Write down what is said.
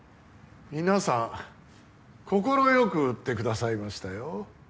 皆さん快く売ってくださいましたよ